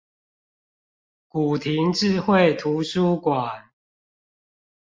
古亭智慧圖書館